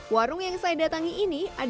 warung yang saya datangi ini adalah lentok tanjung